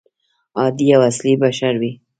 عادي او اصلي بشر وي.